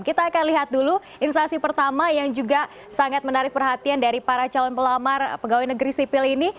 kita akan lihat dulu instansi pertama yang juga sangat menarik perhatian dari para calon pelamar pegawai negeri sipil ini